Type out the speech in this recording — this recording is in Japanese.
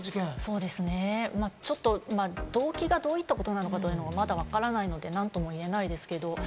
そうですね、動機がどういったことなのか、まだわからないので何とも言えないですけれども。